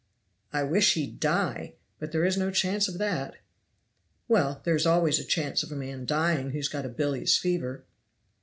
"I wish he'd die! But there is no chance of that." "Well, there is always a chance of a man dying who has got a bilious fever."